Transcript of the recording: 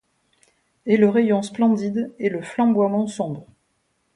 Et le rayon splendide et le flamboiement sombre